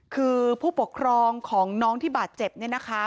คือผู้ปกครองของน้องที่บาดเจ็บเนี่ยนะคะ